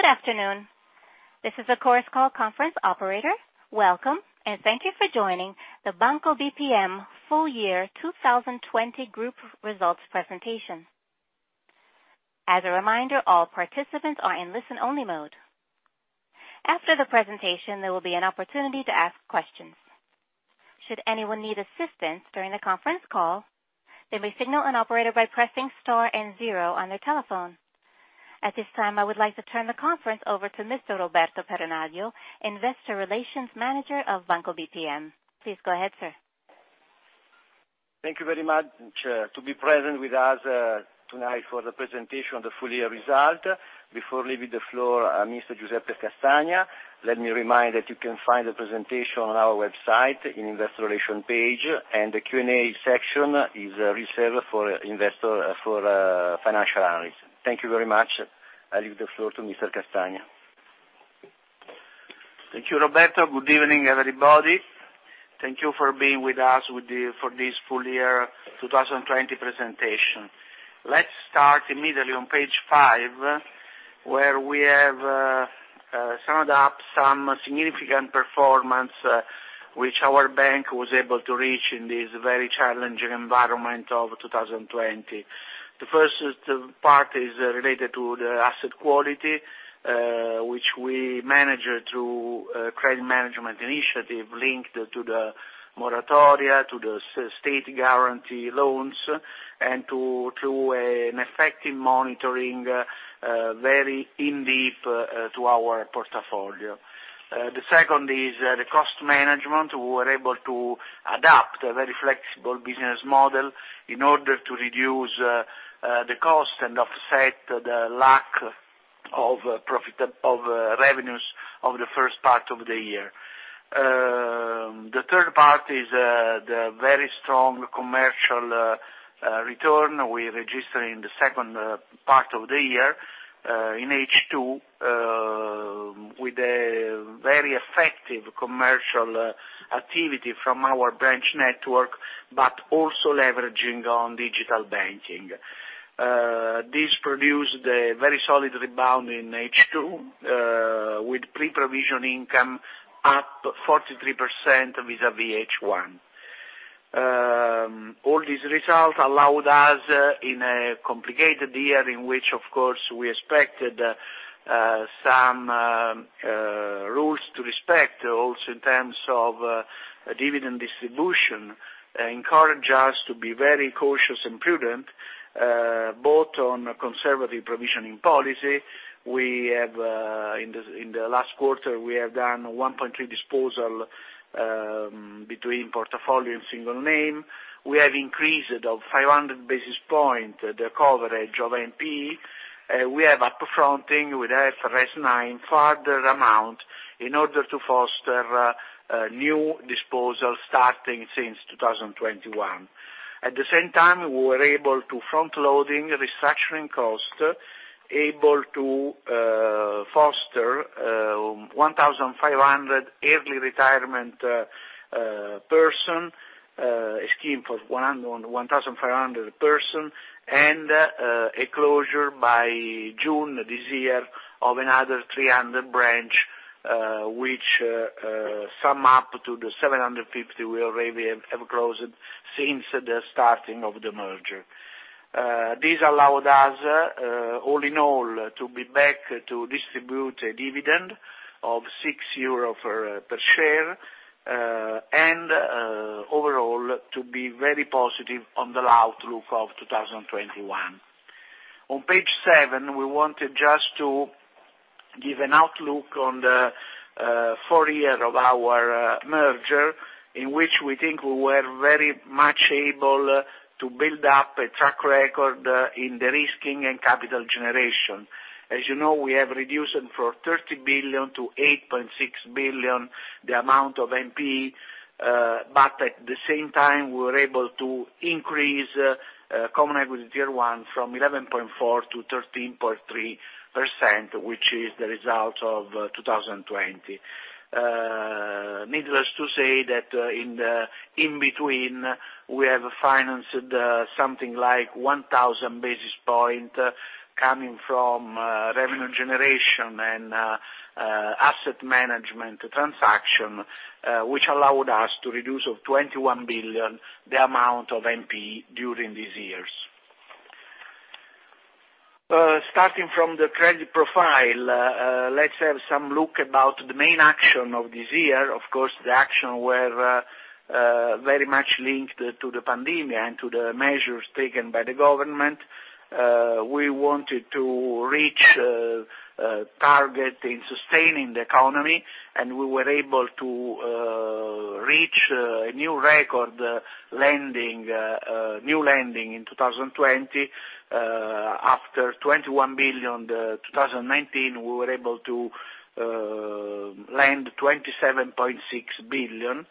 Good afternoon. This is the Chorus Call conference operator. Welcome, and thank you for joining the Banco BPM full year 2020 group results presentation. As a reminder, all participants are in listen-only mode. After the presentation, there will be an opportunity to ask questions. Should anyone need assistance during the conference call, they may signal an operator by pressing star and zero on their telephone. At this time, I would like to turn the conference over to Mr. Roberto Peronaglio, investor relations manager of Banco BPM. Please go ahead, sir. Thank you very much to be present with us tonight for the presentation of the full year results. Before leaving the floor, Mr. Giuseppe Castagna, let me remind that you can find the presentation on our website in Investor Relations page. The Q&A section is reserved for financial analysts. Thank you very much. I leave the floor to Mr. Castagna. Thank you, Roberto. Good evening, everybody. Thank you for being with us for this full year 2020 presentation. Let's start immediately on page five, where we have summed up some significant performance which our bank was able to reach in this very challenging environment of 2020. The first part is related to the asset quality, which we managed through a credit management initiative linked to the moratoria, to the state guarantee loans, and through an effective monitoring very in-depth to our portfolio. The second is the cost management. We were able to adapt a very flexible business model in order to reduce the cost and offset the lack of revenues of the first part of the year. The third part is the very strong commercial return we registered in the second part of the year, in H2, with a very effective commercial activity from our branch network, also leveraging on digital banking. This produced a very solid rebound in H2, with pre-provision income up 43% vis-à-vis H1. All these results allowed us in a complicated year, in which of course we expected some rules to respect also in terms of dividend distribution, encouraged us to be very cautious and prudent, both on conservative provisioning policy. In the last quarter, we have done 1.3 disposal between portfolio and single name. We have increased of 500 basis point the coverage of NPE. We have up-fronting with IFRS 9 further amount in order to foster new disposal starting since 2021. At the same time, we were able to front-loading restructuring cost, able to foster 1,500 early retirement person, a scheme for 1,500 person, and a closure by June this year of another 300 branch, which sum up to the 750 we already have closed since the starting of the merger. This allowed us, all in all, to be back to distribute a dividend of 6 euro per share, and overall, to be very positive on the outlook of 2021. On page seven, we wanted just to give an outlook on the four-year of our merger, in which we think we were very much able to build up a track record in de-risking and capital generation. As you know, we have reduced from 30 billion-8.6 billion the amount of NPE. At the same time, we were able to increase common equity Tier one from 11.4% to 13.3%, which is the result of 2020. Needless to say that in between, we have financed something like 1,000 basis points coming from revenue generation and asset management transaction, which allowed us to reduce 21 billion the amount of NPE during these years. Starting from the credit profile, let's have some look about the main action of this year. Of course, the action were very much linked to the pandemia and to the measures taken by the government. We wanted to reach target in sustaining the economy. We were able to reach a new record new lending in 2020. After 21 billion in 2019, we were able to lend 27.6 billion,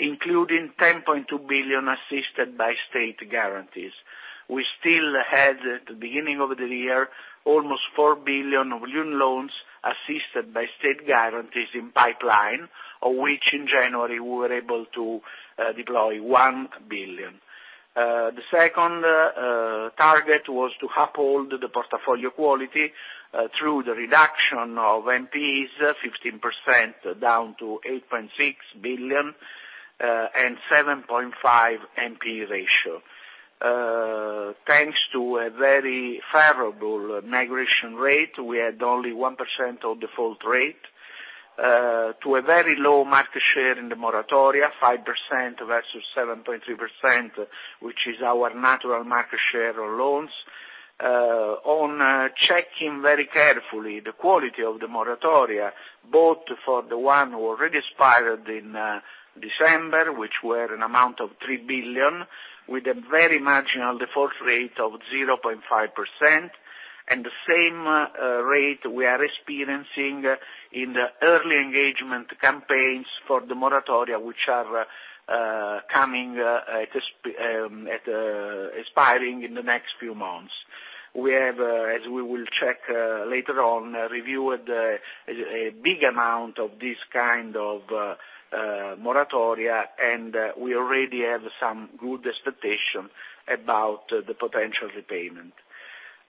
including 10.2 billion assisted by state guarantees. We still had at the beginning of the year almost 4 billion of new loans assisted by state guarantees in pipeline, of which in January we were able to deploy 1 billion. The second target was to uphold the portfolio quality through the reduction of NPEs, 15% down to 8.6 billion and 7.5% NPE ratio. Thanks to a very favorable migration rate, we had only 1% of default rate to a very low market share in the moratoria, 5% versus 7.3%, which is our natural market share of loans. On checking very carefully the quality of the moratoria, both for the one who already expired in December, which were an amount of 3 billion with a very marginal default rate of 0.5%, and the same rate we are experiencing in the early engagement campaigns for the moratoria, which are expiring in the next few months. We have, as we will check later on, reviewed a big amount of this kind of moratoria, and we already have some good expectation about the potential repayment.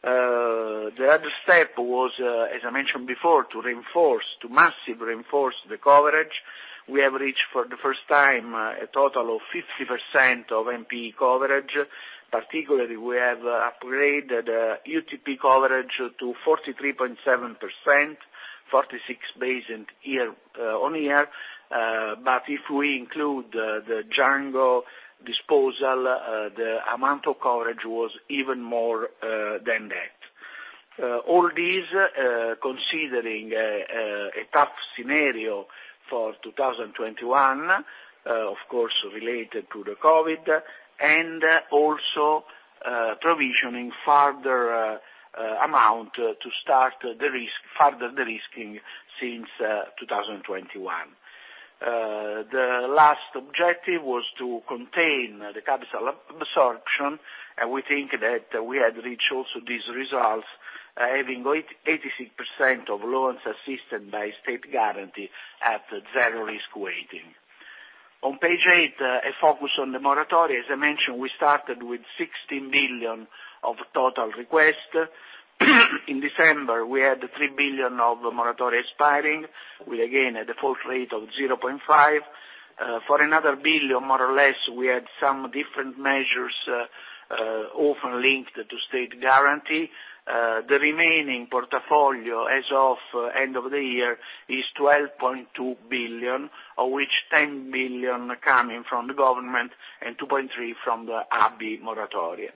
The other step was, as I mentioned before, to massively reinforce the coverage. We have reached for the first time a total of 50% of NPE coverage. Particularly, we have upgraded UTP coverage to 43.7%, 46 basis on-year. If we include the Django disposal, the amount of coverage was even more than that. All this considering a tough scenario for 2021, of course, related to the COVID, and also provisioning further amount to start further de-risking since 2021. The last objective was to contain the capital absorption, and we think that we had reached also these results, having 86% of loans assisted by state guarantee at zero risk weighting. On page eight, a focus on the moratoria. As I mentioned, we started with 16 billion of total request. In December, we had 3 billion of moratoria expiring, with again, a default rate of 0.5%. For another billion, more or less, we had some different measures often linked to state guarantee. The remaining portfolio as of end of the year is 12.2 billion, of which 10 billion coming from the government and 2.3 billion from the ABI moratoria.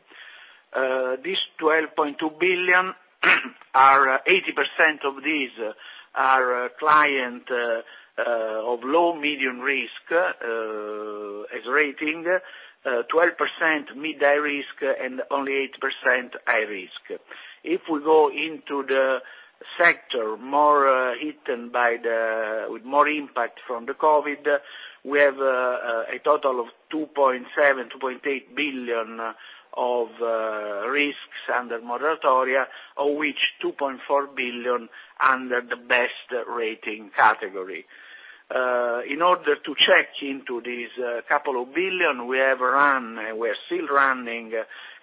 This 12.2 billion, 80% of these are client of low, medium risk as rating, 12% mid high risk, and only 8% high risk. If we go into the sector with more impact from the COVID, we have a total of 2.7 billion-2.8 billion of risks under moratoria, of which 2.4 billion under the best rating category. In order to check into this couple of billion, we have run, and we're still running,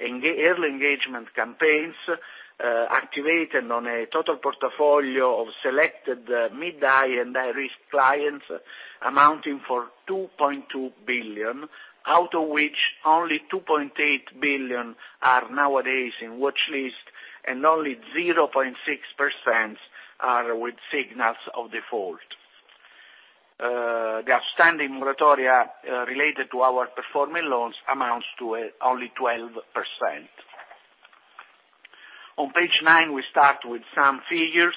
early engagement campaigns activated on a total portfolio of selected mid, high, and high-risk clients amounting for 2.2 billion, out of which only 2.8 billion are nowadays in watchlist and only 0.6% are with signals of default. The outstanding moratoria related to our performing loans amounts to only 12%. On page nine, we start with some figures,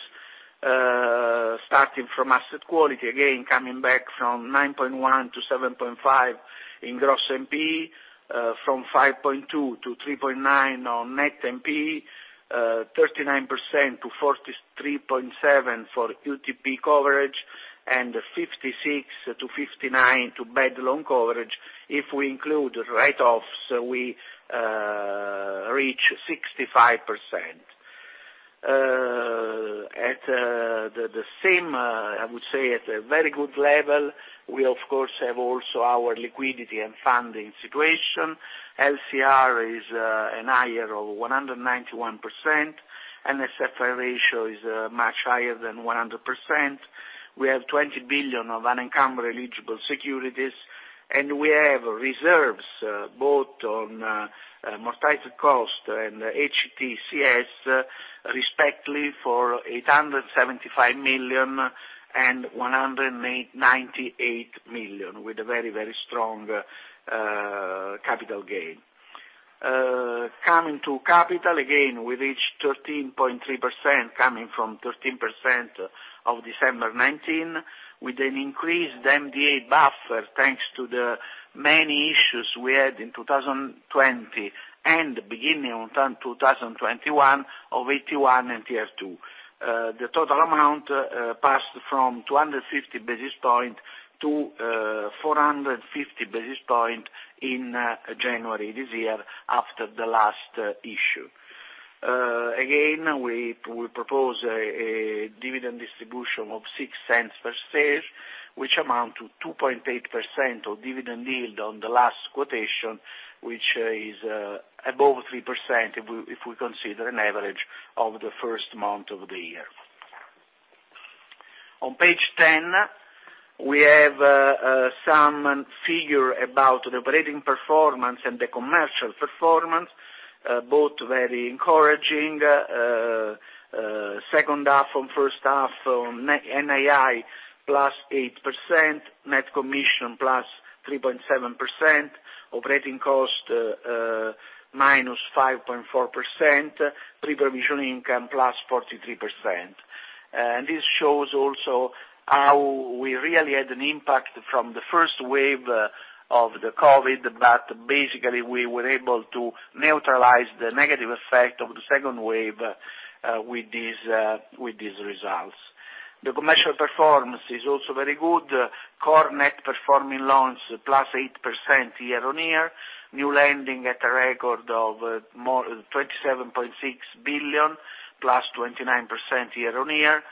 starting from asset quality, again, coming back from 9.1% to 7.5% in gross NPE, from 5.2% to 3.9% on net NPE, 39% to 43.7% for UTP coverage, and 56% to 59% to bad loan coverage. If we include write-offs, we reach 65%. At the same, I would say at a very good level, we of course have also our liquidity and funding situation. LCR is an IR of 191%, NSFR ratio is much higher than 100%. We have 20 billion of unencumbered eligible securities, and we have reserves both on amortized cost and HTC&S, respectively for 875 million and 198 million, with a very strong capital gain. Coming to capital, again, we reached 13.3%, coming from 13% of December 2019, with an increased MDA buffer, thanks to the many issues we had in 2020 and beginning of 2021 of AT1 and Tier two. The total amount passed from 250 basis points to 450 basis points in January this year after the last issue. Again, we propose a dividend distribution of 0.06 per share, which amounts to 2.8% of dividend yield on the last quotation, which is above 3% if we consider an average of the first month of the year. On page 10, we have some figures about the operating performance and the commercial performance, both very encouraging. Second half on first half on NII, +8%, net commissions +3.7%, operating costs -5.4%, pre-provision income +43%. This shows also how we really had an impact from the first wave of the COVID, we were able to neutralize the negative effect of the second wave with these results. The commercial performance is also very good. Core net performing loans +8% year-on-year, new lending at a record of more than 27.6 billion, +29% year-on-year,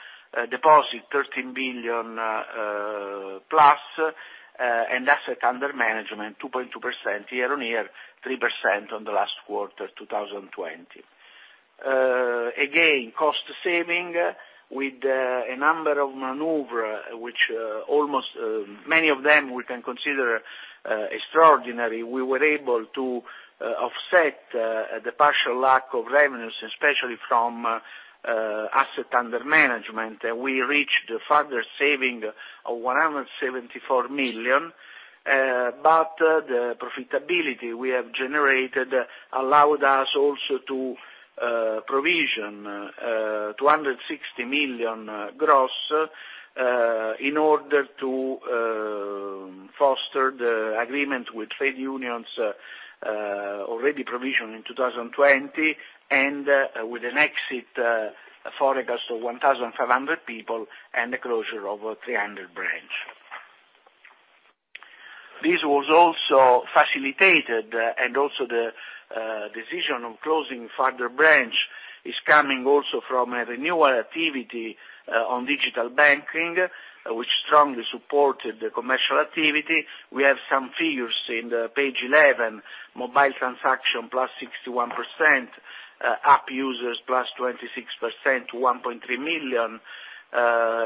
deposits 13 billion+, asset under management 2.2% year-on-year, 3% on the last quarter 2020. Again, cost savings with a number of maneuvers which almost many of them we can consider extraordinary. We were able to offset the partial lack of revenues, especially from asset under management. We reached further savings of 174 million. The profitability we have generated allowed us also to provision 260 million gross, in order to foster the agreement with trade unions already provisioned in 2020 and with an exit forecast of 1,500 people and the closure of 300 branch. This was also facilitated and also the decision of closing further branch is coming also from a renewal activity on digital banking, which strongly supported the commercial activity. We have some figures in the page 11, mobile transaction +61%, app users +26%, 1.3 million,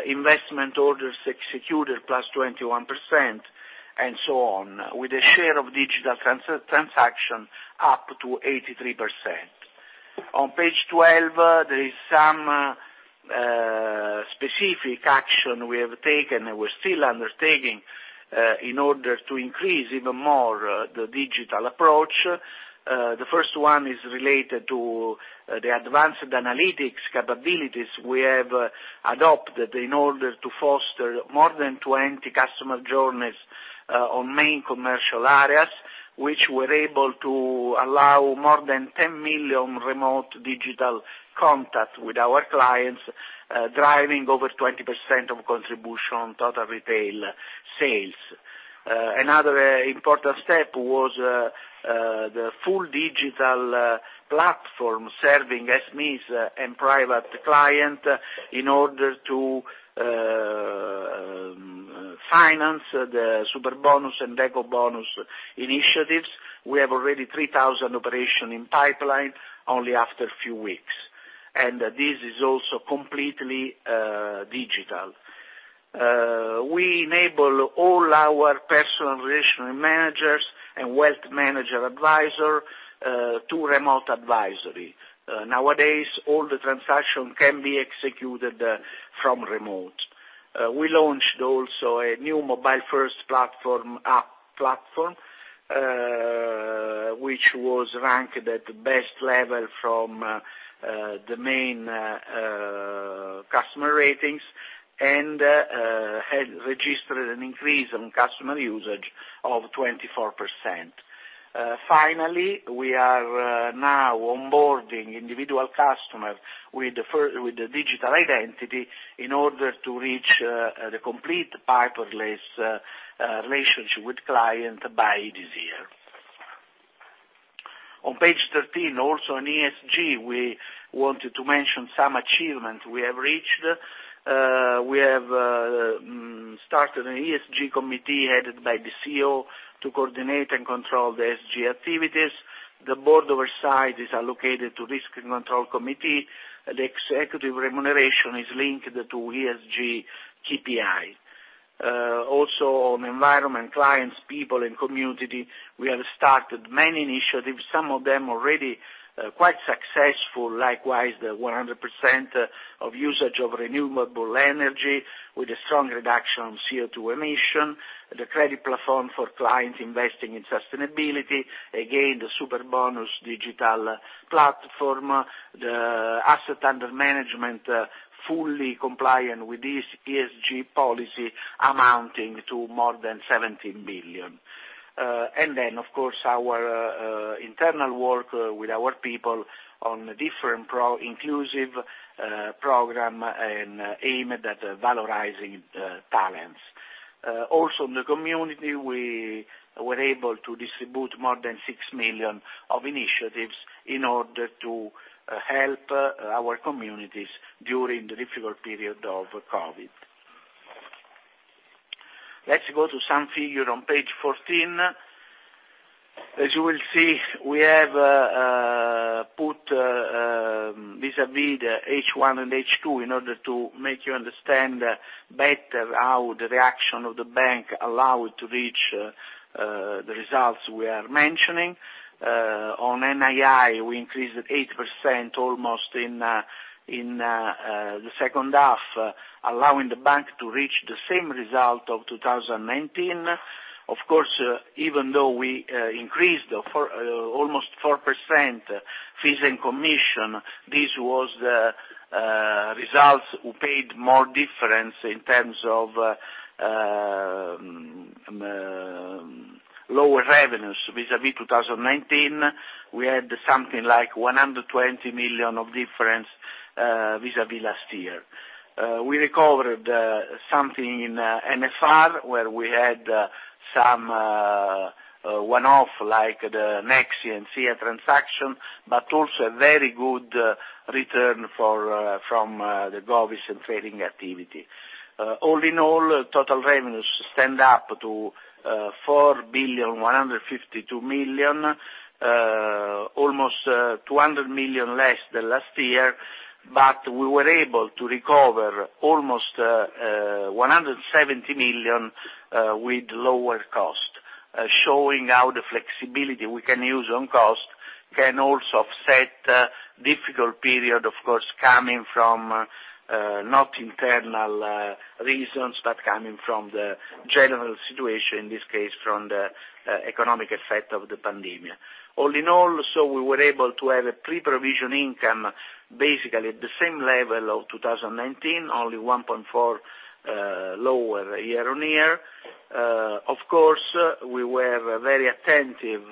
investment orders executed +21%, and so on, with a share of digital transaction up to 83%. On page 12, there is some specific action we have taken, and we're still undertaking, in order to increase even more the digital approach. The first one is related to the advanced analytics capabilities we have adopted in order to foster more than 20 customer journeys on main commercial areas. Which were able to allow more than 10 million remote digital contacts with our clients, driving over 20% of contribution on total retail sales. Another important step was the full digital platform serving SMEs and private client in order to finance the Superbonus and Ecobonus initiatives. We have already 3,000 operation in pipeline only after a few weeks, and this is also completely digital. We enable all our personal relationship managers and wealth manager advisor to remote advisory. Nowadays, all the transaction can be executed from remote. We launched also a new mobile first platform app platform, which was ranked at the best level from the main customer ratings and has registered an increase in customer usage of 24%. Finally, we are now onboarding individual customer with the digital identity in order to reach the complete paperless relationship with client by this year. On page 13, also on ESG, we wanted to mention some achievements we have reached. We have started an ESG committee headed by the CEO to coordinate and control the ESG activities. The board oversight is allocated to risk and control committee. The executive remuneration is linked to ESG KPI. Also on environment, clients, people and community, we have started many initiatives, some of them already quite successful. Likewise, the 100% of usage of renewable energy with a strong reduction on CO2 emission, the credit platform for clients investing in sustainability. Again, the Superbonus digital platform, the asset under management, fully compliant with this ESG policy amounting to more than 17 billion. Of course, our internal work with our people on different inclusive program and aimed at valorizing talents. Also in the community, we were able to distribute more than 6 million of initiatives in order to help our communities during the difficult period of COVID. Let's go to some figures on page 14. As you will see, we have put vis-à-vis H1 and H2 in order to make you understand better how the reaction of the bank allowed to reach the results we are mentioning. On NII, we increased 8% almost in the second half, allowing the bank to reach the same result of 2019. Of course, even though we increased almost 4% fees and commission, this was the results who paid more difference in terms of lower revenues vis-à-vis 2019. We had something like 120 million of difference vis-à-vis last year. We recovered something in NFR, where we had some one-off, like the Nexi and SIA transaction, but also a very good return from the govies and trading activity. All in all, total revenues stand up to 4.152 billion, almost 200 million less than last year. We were able to recover almost 170 million with lower cost, showing how the flexibility we can use on cost can also offset difficult period, of course, coming from not internal reasons, but coming from the general situation, in this case, from the economic effect of the pandemia. All in all, we were able to have a pre-provision income basically at the same level of 2019, only 1.4 lower year-on-year. Of course, we were very attentive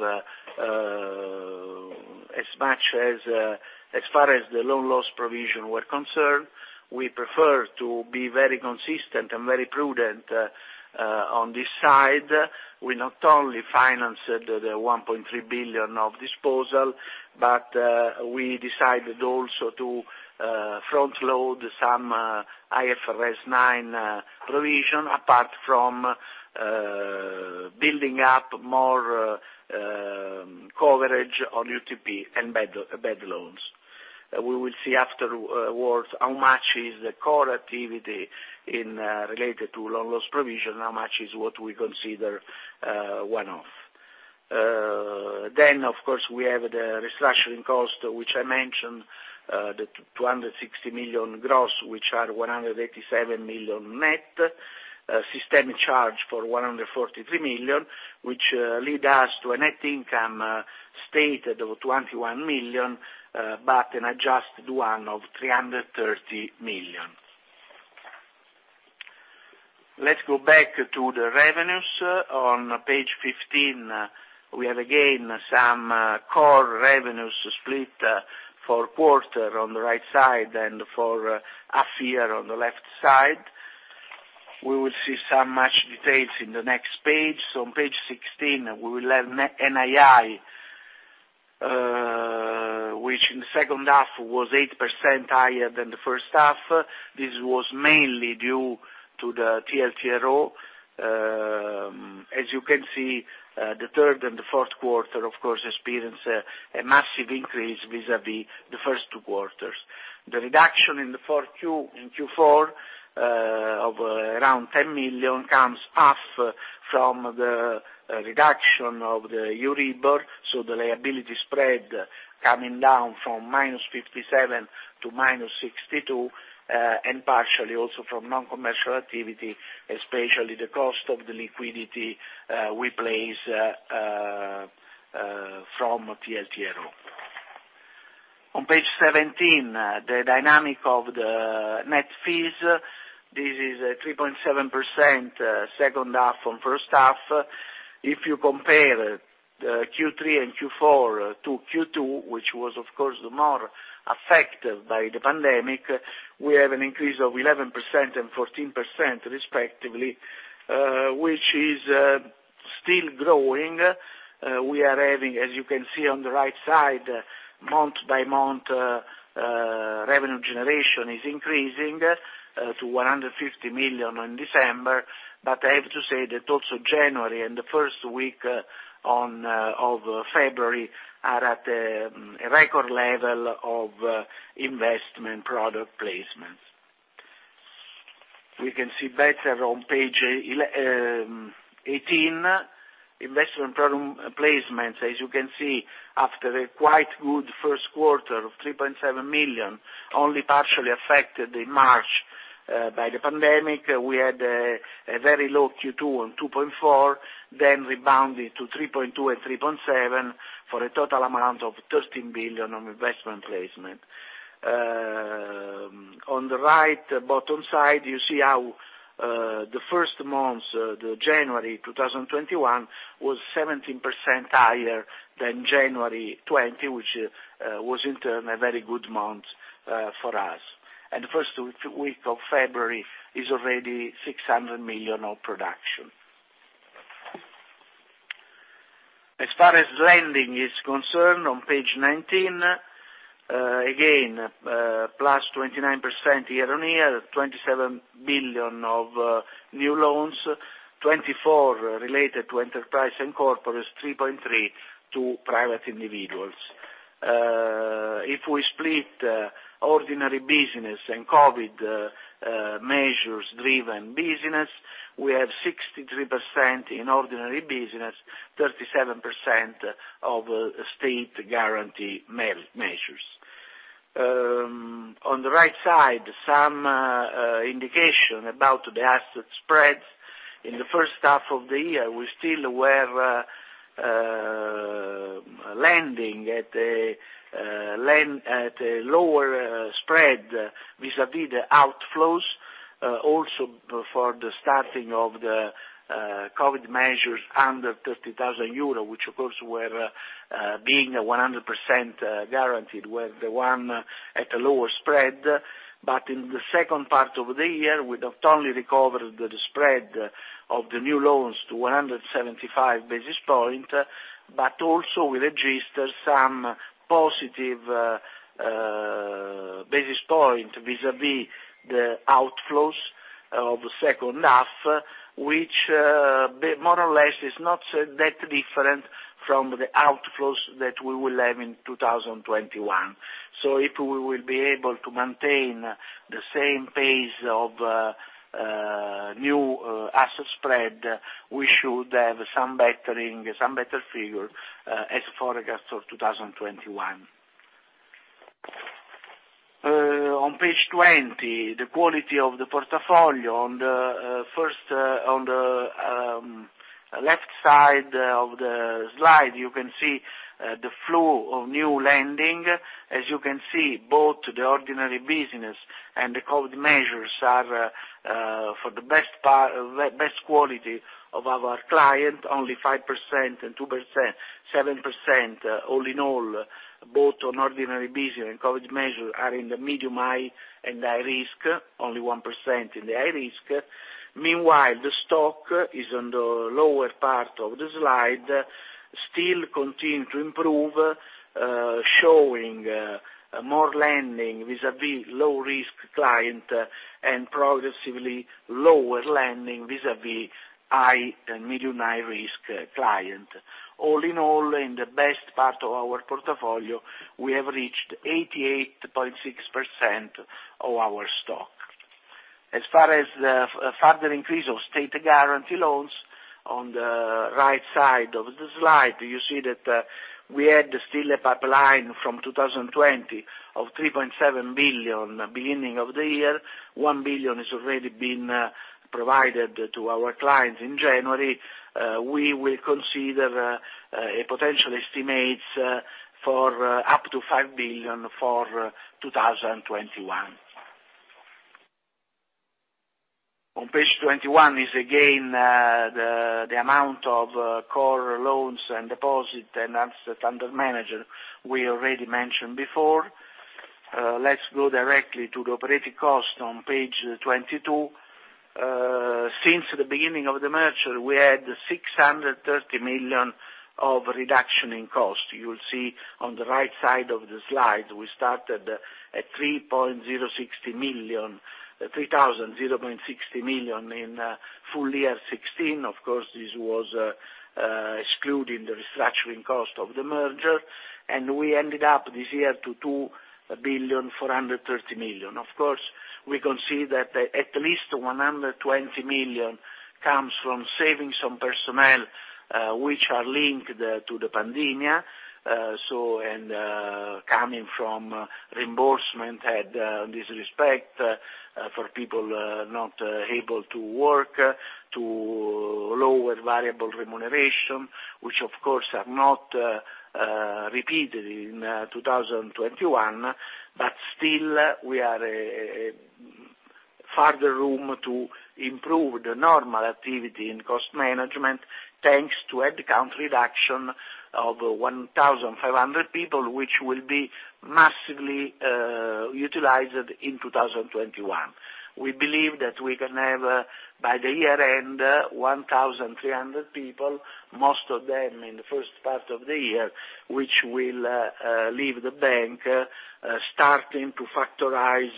as far as the loan loss provision were concerned. We prefer to be very consistent and very prudent on this side. We not only financed the 1.3 billion of disposal, we decided also to front load some IFRS 9 provision, apart from building up more coverage on UTP and bad loans. We will see afterwards how much is the core activity related to loan loss provision, how much is what we consider one-off. Of course, we have the restructuring cost, which I mentioned, the 260 million gross, which are 187 million net. System charge for 143 million, which lead us to a net income stated of 21 million, an adjusted one of 330 million. Let's go back to the revenues. On page 15, we have again some core revenues split for quarter on the right side and for a year on the left side. We will see some much details in the next page. On page 16, we will have NII which in the second half was 8% higher than the first half. This was mainly due to the TLTRO. As you can see, the third and the fourth quarter, of course, experienced a massive increase vis-à-vis the first two quarters. The reduction in Q4 of around 10 million comes half from the reduction of the Euribor, so the liability spread coming down from -57 to -62, and partially also from non-commercial activity, especially the cost of the liquidity we place from TLTRO. On page 17, the dynamic of the net fees. This is a 3.7% second half on first half. If you compare Q3 and Q4 to Q2, which was, of course, more affected by the pandemic, we have an increase of 11% and 14%, respectively, which is still growing. We are having, as you can see on the right side, month-by-month revenue generation is increasing to 150 million in December. I have to say that also January and the first week of February are at a record level of investment product placements. We can see better on page 18, investment product placements. As you can see, after a quite good first quarter of 3.7 million, only partially affected in March by the pandemic, we had a very low Q2 on 2.4 million, then rebounded to 3.2 million and 3.7 million for a total amount of 13 billion on investment placement. On the right bottom side, you see how the first months, the January 2021, was 17% higher than January 2020, which was in turn a very good month for us. The first week of February is already 600 million of production. As far as lending is concerned, on page 19, again, +29% year-on-year, 27 billion of new loans, 24 billion related to enterprise and corporates, 3.3 billion to private individuals. If we split ordinary business and COVID measures-driven business, we have 63% in ordinary business, 37% of state guarantee measures. On the right side, some indication about the asset spreads. In the first half of the year, we still were lending at a lower spread vis-à-vis the outflows, also for the starting of the COVID measures under 30,000 euro, which of course were being 100% guaranteed, were the one at a lower spread. In the second part of the year, we not only recovered the spread of the new loans to 175 basis points, but also we registered some positive basis points vis-à-vis the outflows of the second half, which more or less is not that different from the outflows that we will have in 2021. If we will be able to maintain the same pace of new asset spread, we should have some better figure as forecast for 2021. On page 20, the quality of the portfolio. On the left side of the slide, you can see the flow of new lending. As you can see, both the ordinary business and the COVID measures are for the best quality of our client, only 5% and 2%, 7% all in all, both on ordinary business and COVID measures are in the medium-high and high risk, only 1% in the high risk. Meanwhile, the stock is on the lower part of the slide, still continue to improve, showing more lending vis-à-vis low-risk client and progressively lower lending vis-à-vis high and medium-high risk client. All in all, in the best part of our portfolio, we have reached 88.6% of our stock. As far as the further increase of state guarantee loans, on the right side of the slide, you see that we had still a pipeline from 2020 of 3.7 billion beginning of the year. 1 billion has already been provided to our clients in January. We will consider a potential estimate for up to 5 billion for 2021. On page 21 is again the amount of core loans and deposit and assets under management we already mentioned before. Let's go directly to the operating cost on page 22. Since the beginning of the merger, we had 630 million of reduction in cost. You will see on the right side of the slide, we started at 3,060 million in full year 2016. Of course, this was excluding the restructuring cost of the merger, and we ended up this year to 2.430 billion. Of course, we can see that at least 120 million comes from saving some personnel, which are linked to the COVID, and coming from reimbursement and disruption for people not able to work, to lower variable remuneration, which of course are not repeated in 2021, but still we are a further room to improve the normal activity in cost management, thanks to headcount reduction of 1,500 people, which will be massively utilized in 2021. We believe that we can have, by the year-end, 1,300 people, most of them in the first part of the year, which will leave the bank, starting to factorize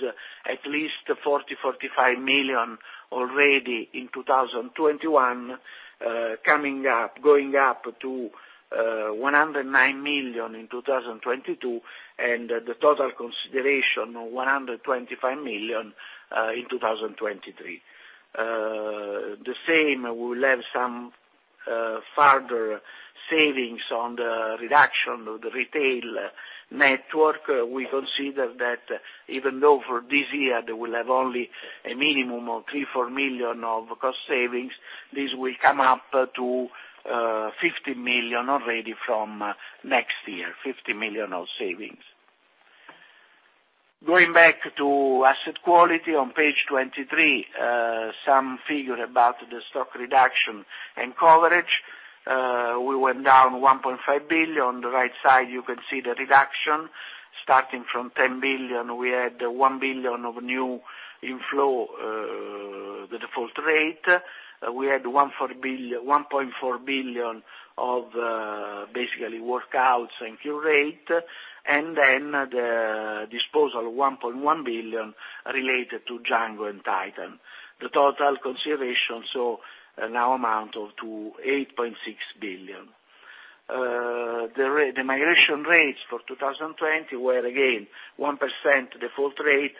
at least 40 million-45 million already in 2021, going up to 109 million in 2022, and the total consideration of 125 million in 2023. The same, we will have some further savings on the reduction of the retail network. We consider that even though for this year, they will have only a minimum of 3 million-4 million of cost savings, this will come up to 50 million already from next year, 50 million of savings. Going back to asset quality on page 23, some figure about the stock reduction and coverage. We went down 1.5 billion. On the right side, you can see the reduction. Starting from 10 billion, we had 1 billion of new inflow, the default rate. We had 1.4 billion of basically workouts and cure rate. The disposal, 1.1 billion related to Django and Titan. The total consideration saw now amount to 8.6 billion. The migration rates for 2020 were again 1% default rate,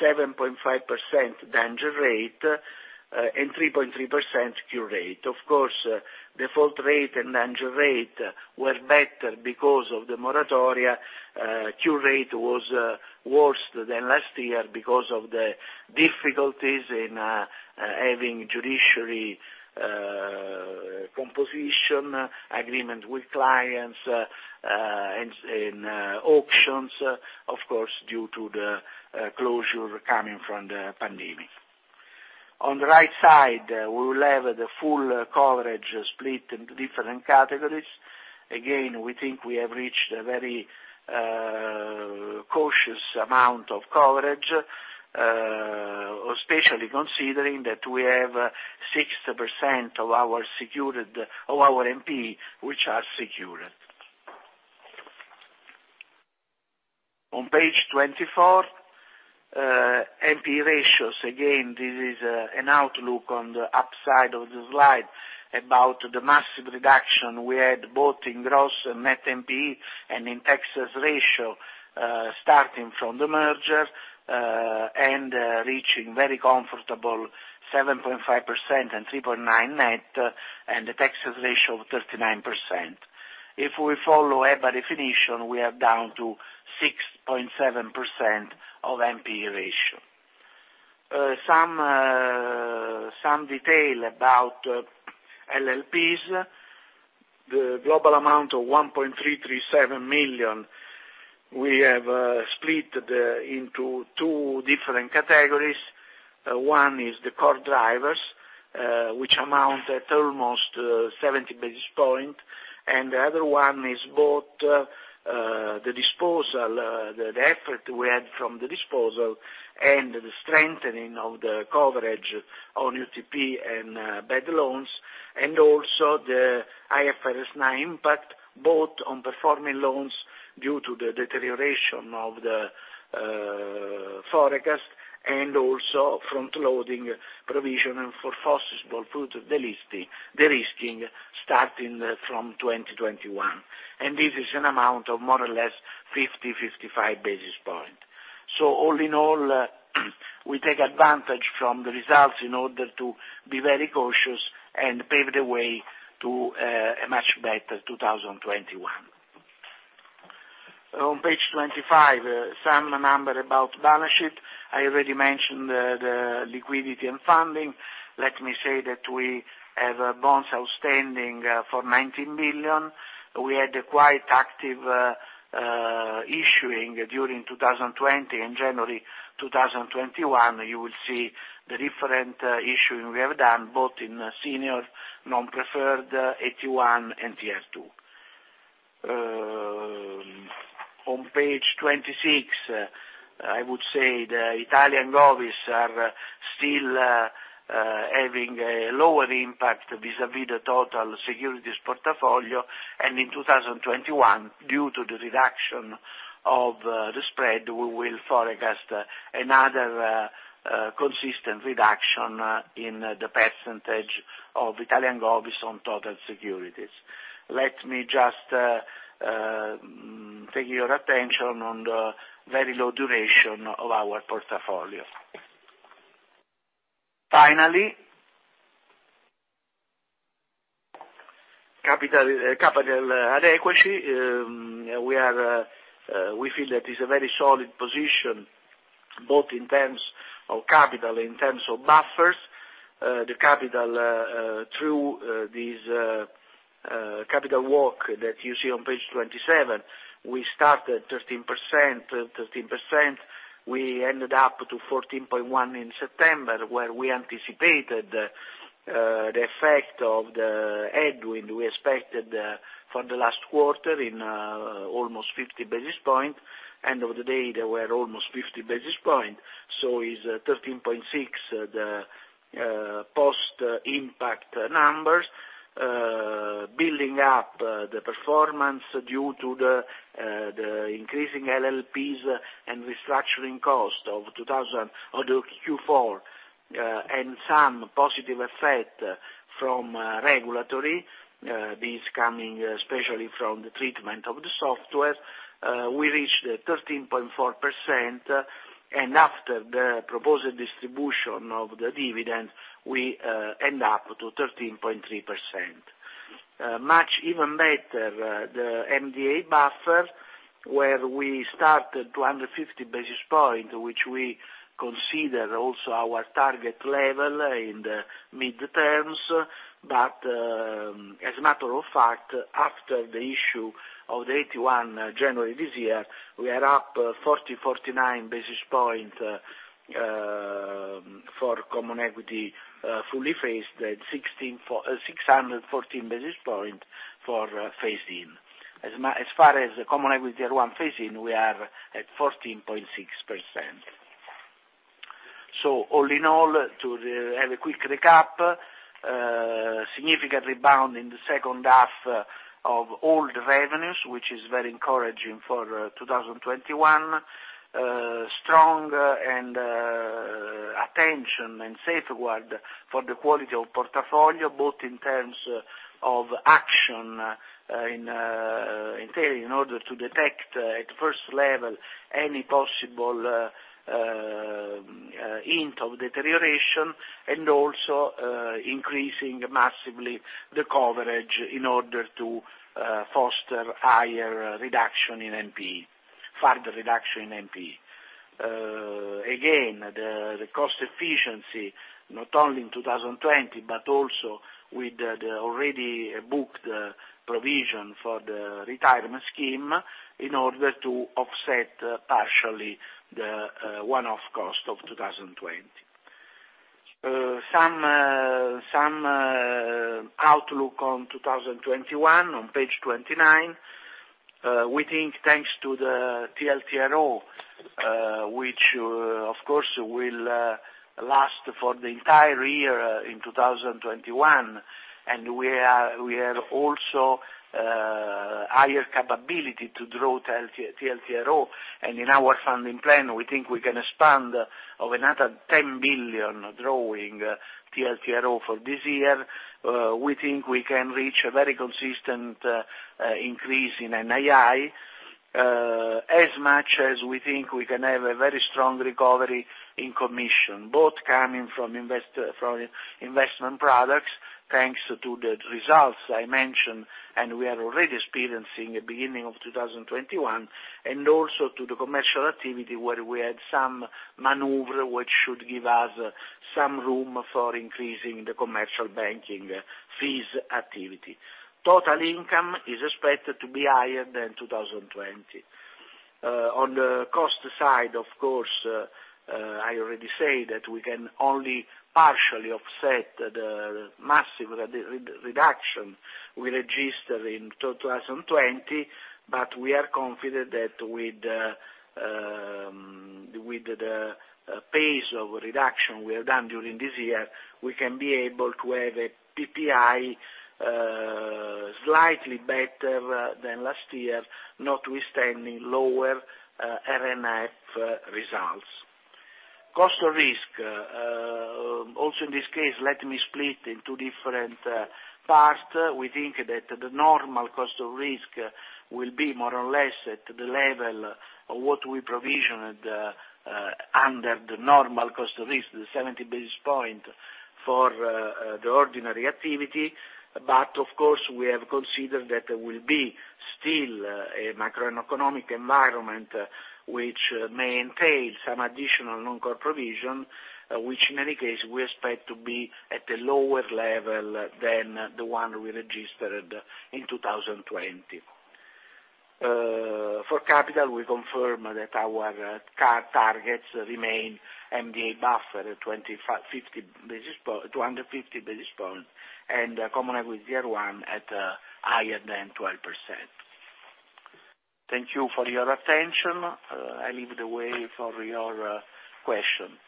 7.5% danger rate, and 3.3% cure rate. Of course, default rate and danger rate were better because of the moratoria. Cure rate was worse than last year because of the difficulties in having judiciary composition, agreement with clients, and in auctions, of course, due to the closure coming from the pandemic. On the right side, we will have the full coverage split into different categories. We think we have reached a very cautious amount of coverage, especially considering that we have 60% of our NPE which are secured. On page 24, NPE ratios. This is an outlook on the upside of the slide about the massive reduction we had both in gross and net NPE and in Texas ratio, starting from the merger, and reaching very comfortable 7.5% and 3.9 net, and the Texas ratio of 39%. If we follow EBA definition, we are down to 6.7% of NPE ratio. Some detail about LLPs. The global amount of 1.337 million, we have split into two different categories. One is the core drivers, which amount at almost 70 basis points, and the other one is both the effort we had from the disposal and the strengthening of the coverage on UTP and bad loans, and also the IFRS 9 impact, both on performing loans due to the deterioration of the forecast, and also front-loading provision for foreseeable future, the de-risking starting from 2021. This is an amount of more or less 50, 55 basis points. All in all, we take advantage from the results in order to be very cautious and pave the way to a much better 2021. On page 25, some numbers about balance sheet. I already mentioned the liquidity and funding. Let me say that we have bonds outstanding for 19 million. We had a quite active issuing during 2020. In January 2021, you will see the different issuing we have done, both in senior, non-preferred, AT1 and Tier two. On page 26, I would say the Italian govies are still having a lower impact vis-à-vis the total securities portfolio, and in 2021, due to the reduction of the spread, we will forecast another consistent reduction in the percentage of Italian govies on total securities. Let me just take your attention on the very low duration of our portfolio. Capital and equity. We feel that it's a very solid position, both in terms of capital, in terms of buffers. The capital through this capital work that you see on page 27, we started 13%, we ended up to 14.1% in September, where we anticipated the effect of the headwind we expected for the last quarter in almost 50 basis points. They were almost 50 basis points. Is 13.6% the post-impact numbers, building up the performance due to the increasing LLPs and restructuring costs of Q4, and some positive effect from regulatory, this coming especially from the treatment of the software. We reached 13.4%, after the proposed distribution of the dividend, we end up to 13.3%. Much even better, the MDA buffer, where we started 250 basis points, which we consider also our target level in the mid-terms. As a matter of fact, after the issue of the AT1 January this year, we are up 49 basis points for common equity fully phased at 614 basis points for phased-in. As far as the common equity Tier one phase-in, we are at 14.6%. All in all, to have a quick recap, significant rebound in the second half of all revenues, which is very encouraging for 2021. Strong and attention and safeguard for the quality of portfolio, both in terms of action in Italy in order to detect at first level any possible hint of deterioration. Also, increasing massively the coverage in order to foster higher reduction in NPE, further reduction in NPE. Again, the cost efficiency, not only in 2020, but also with the already booked provision for the retirement scheme in order to offset partially the one-off cost of 2020. Some outlook on 2021 on page 29. We think, thanks to the TLTRO, which of course will last for the entire year in 2021, and we have also higher capability to draw TLTRO. In our funding plan, we think we can expand of another 10 billion drawing TLTRO for this year. We think we can reach a very consistent increase in NII, as much as we think we can have a very strong recovery in commission, both coming from investment products, thanks to the results I mentioned, and we are already experiencing at beginning of 2021, and also to the commercial activity where we had some maneuver, which should give us some room for increasing the commercial banking fees activity. Total income is expected to be higher than 2020. On the cost side, of course, I already say that we can only partially offset the massive reduction we registered in 2020, but we are confident that with the pace of reduction we have done during this year, we can be able to have a PPI slightly better than last year, notwithstanding lower RMF results. Cost of risk. Also in this case, let me split in two different parts. We think that the normal cost of risk will be more or less at the level of what we provisioned under the normal cost of risk, the 70 basis point for the ordinary activity. Of course, we have considered that there will be still a macroeconomic environment which may entail some additional non-core provision, which in any case, we expect to be at a lower level than the one we registered in 2020. For capital, we confirm that our targets remain MDA buffer 250 basis points and common equity Tier one at higher than 12%. Thank you for your attention. I leave the way for your question.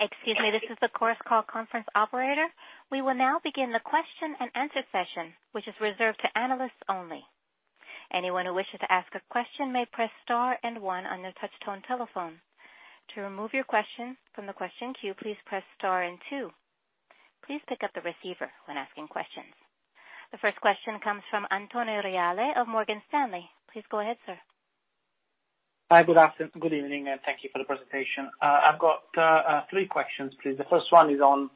Excuse me, this is the Chorus Call conference operator. We will now begin the question and answer session, which is reserved to analysts only. Anyone who wishes to ask a question may press star and one on your touch-tone telephone. To remove your question from the question queue, please press star and two. Please pick up the receiver when asking questions. The first question comes from Antonio Reale of Morgan Stanley. Please go ahead, sir. Hi. Good evening, thank you for the presentation. I've got three questions, please. The first one is on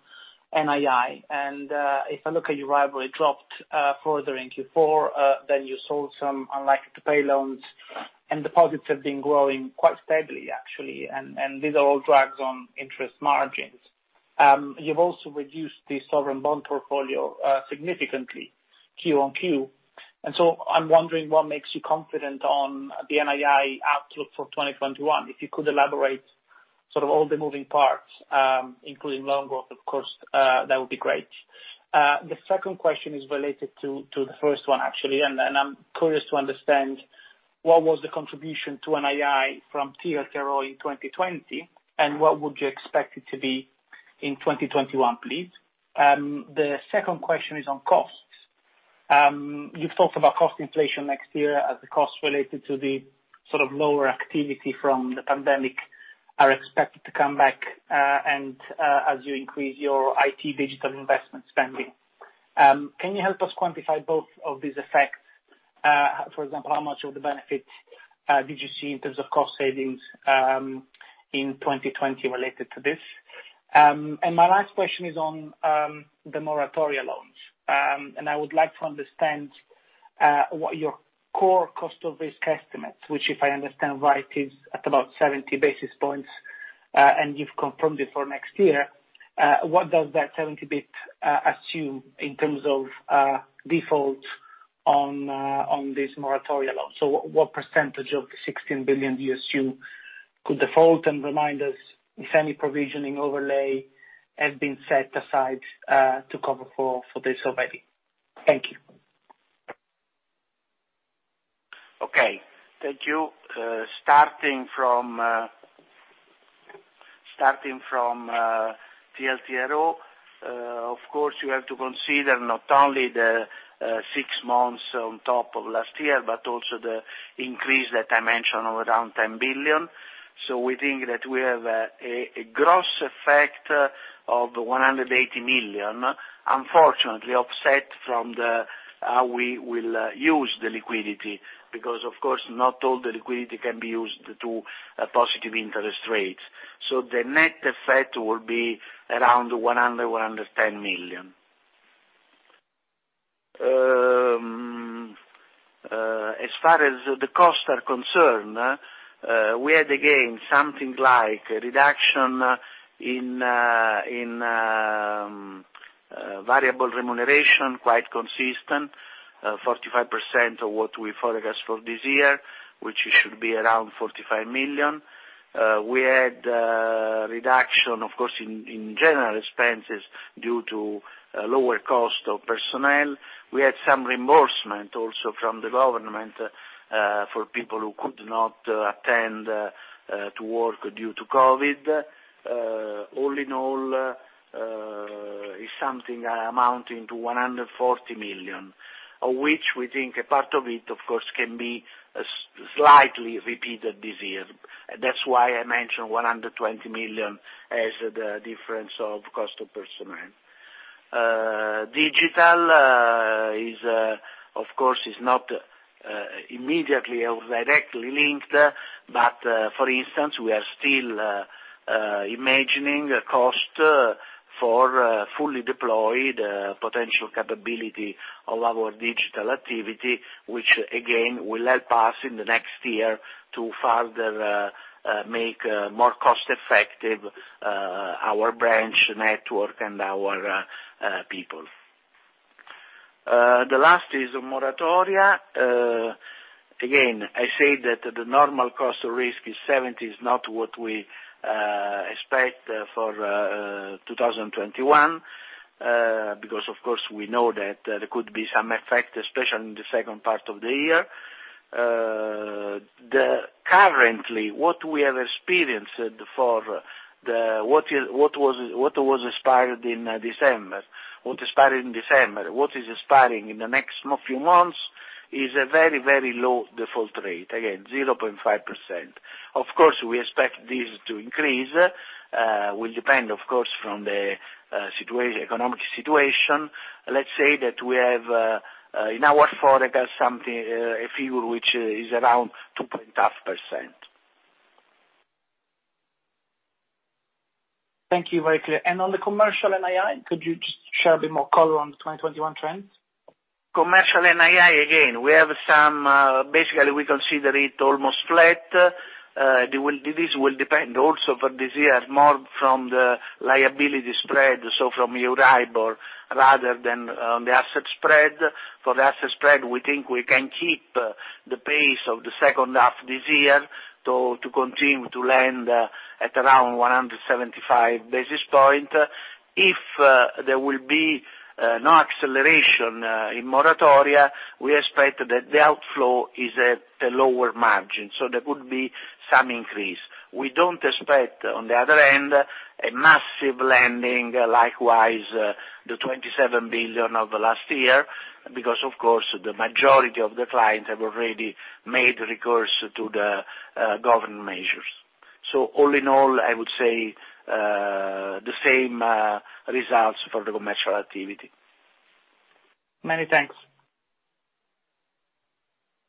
NII. If I look at your NII dropped further in Q4, then you sold some unlikely to pay loans and deposits have been growing quite steadily, actually, and these are all drags on interest margins. You've also reduced the sovereign bond portfolio significantly Q on Q. I'm wondering what makes you confident on the NII outlook for 2021. If you could elaborate sort of all the moving parts, including loan growth, of course, that would be great. The second question is related to the first one, actually, and I'm curious to understand what was the contribution to NII from TLTRO in 2020, and what would you expect it to be in 2021, please? The second question is on costs. You've talked about cost inflation next year as the cost related to the sort of lower activity from the pandemic are expected to come back, and as you increase your IT digital investment spending. Can you help us quantify both of these effects? For example, how much of the benefit did you see in terms of cost savings in 2020 related to this? My last question is on the moratoria loans. I would like to understand what your core cost of risk estimate, which, if I understand right, is at about 70 basis points, and you've confirmed it for next year. What does that 70 basis points assume in terms of defaults on this moratoria loan? What percentage of the 16 billion do you assume could default? Remind us if any provisioning overlay has been set aside to cover for this already. Thank you. Okay. Thank you. Starting from TLTRO, of course you have to consider not only the six months on top of last year, but also the increase that I mentioned of around 10 billion. We think that we have a gross effect of 180 million, unfortunately offset from how we will use the liquidity because, of course, not all the liquidity can be used to positive interest rates. The net effect will be around 100 million-110 million. As far as the costs are concerned, we had, again, something like a reduction in variable remuneration, quite consistent, 45% of what we forecast for this year, which should be around 45 million. We had a reduction, of course, in general expenses due to lower cost of personnel. We had some reimbursement also from the government, for people who could not attend to work due to COVID. All in all, it's something amounting to 140 million, of which we think a part of it, of course, can be slightly repeated this year. That's why I mentioned 120 million as the difference of cost of personnel. Digital, of course, is not immediately or directly linked. For instance, we are still imagining a cost for fully deployed potential capability of our digital activity, which again, will help us in the next year to further make more cost-effective our branch network and our people. The last is moratoria. I say that the normal cost of risk is 70, is not what we expect for 2021. Of course we know that there could be some effect, especially in the second part of the year. Currently, what we have experienced for what was expired in December, what expired in December, what is expiring in the next few months is a very, very low default rate. Again, 0.5%. Of course, we expect this to increase. Will depend, of course, from the economic situation. Let's say that we have, in our forecast, a figure which is around 2.5%. Thank you. Very clear. On the commercial NII, could you just share a bit more color on the 2021 trends? Commercial NII, again, basically we consider it almost flat. This will depend also for this year more from the liability spread, so from Euribor rather than the asset spread. For the asset spread, we think we can keep the pace of the second half this year to continue to lend at around 175 basis point. If there will be no acceleration in moratoria, we expect that the outflow is at a lower margin. There would be some increase. We don't expect, on the other hand, a massive lending, likewise the 27 billion of the last year, because of course the majority of the clients have already made recourse to the government measures. All in all, I would say the same results for the commercial activity. Many thanks.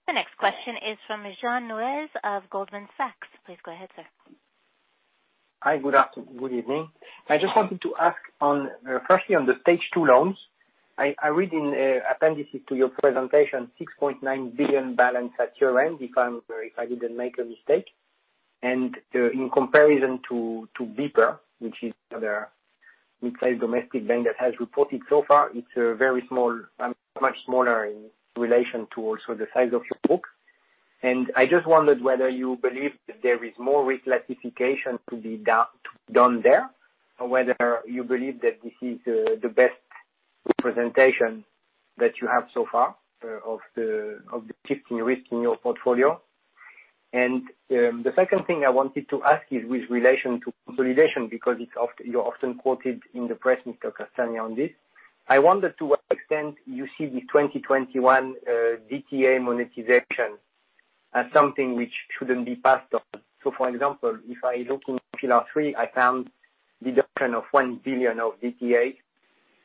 The next question is from Jean-François Neuez of Goldman Sachs. Please go ahead, sir. Hi. Good evening. I just wanted to ask on, firstly, on the Stage 2 loans, I read in the appendices to your presentation 6.9 billion balance at year-end, if I didn't make a mistake. In comparison to BPER, which is the other inside domestic bank that has reported so far, it's much smaller in relation to also the size of your book. I just wondered whether you believe that there is more risk classification to be done there, or whether you believe that this is the best representation that you have so far of the shift in risk in your portfolio. The second thing I wanted to ask is with relation to consolidation, because you're often quoted in the press, Mr. Castagna, on this. I wonder to what extent you see the 2021 DTA monetization as something which shouldn't be passed on. For example, if I look in Pillar 3, I found deduction of 1 billion of DTA,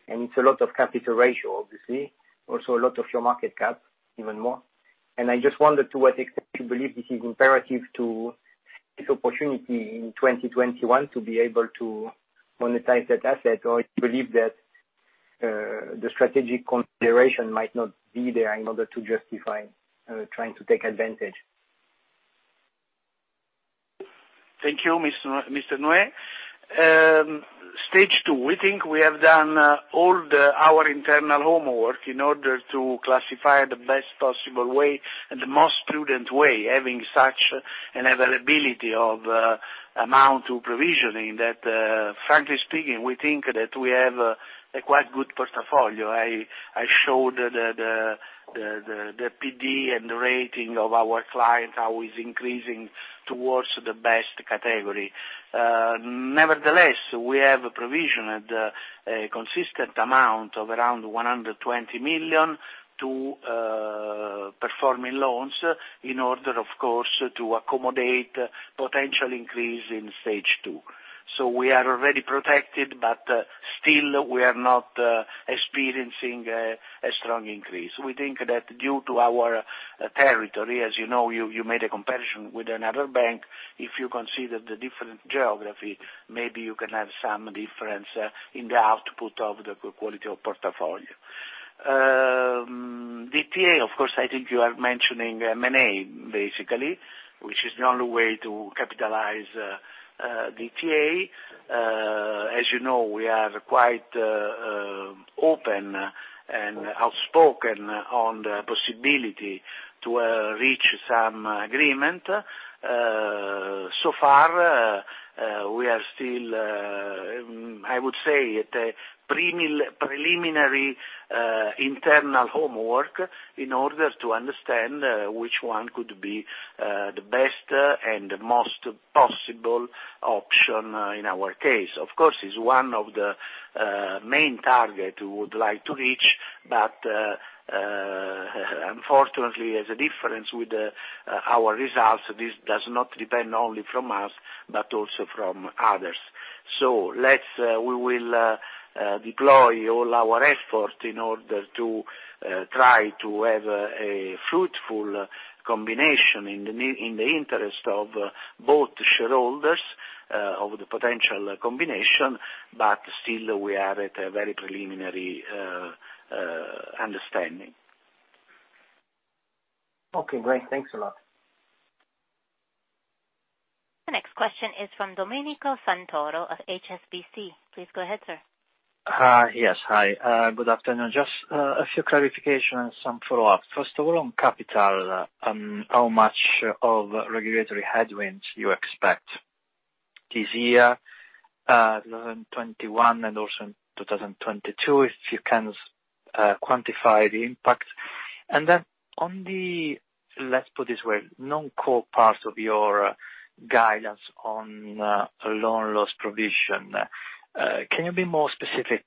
and it's a lot of capital ratio, obviously. Also a lot of your market cap, even more. I just wondered to what extent you believe this is imperative to this opportunity in 2021 to be able to monetize that asset, or you believe that the strategic consideration might not be there in order to justify trying to take advantage? Thank you, Mr. Neuez. Stage 2, we think we have done all our internal homework in order to classify the best possible way and the most prudent way, having such an availability of amount to provisioning that, frankly speaking, we think that we have a quite good portfolio. I showed the PD and the rating of our client, how is increasing towards the best category. Nevertheless, we have a provisioned a consistent amount of around 120 million to performing loans in order, of course, to accommodate potential increase in Stage 2. We are already protected, but still we are not experiencing a strong increase. We think that due to our territory, as you know, you made a comparison with another bank. If you consider the different geography, maybe you can have some difference in the output of the quality of portfolio. DTA, of course, I think you are mentioning M&A, basically, which is the only way to capitalize DTA. As you know, we are quite open and outspoken on the possibility to reach some agreement. Far, we are still, I would say, at a preliminary internal homework in order to understand which one could be the best and the most possible option in our case. Of course, it's one of the main target we would like to reach, but unfortunately, as a difference with our results, this does not depend only from us, but also from others. We will deploy all our effort in order to try to have a fruitful combination in the interest of both shareholders of the potential combination, but still we are at a very preliminary understanding. Okay, great. Thanks a lot. The next question is from Domenico Santoro of HSBC. Please go ahead, sir. Yes, hi. Good afternoon. Just a few clarification and some follow-ups. On capital, how much of regulatory headwinds you expect this year, 2021, and also 2022, if you can quantify the impact? On the, let's put it this way, non-core part of your guidance on loan loss provision, can you be more specific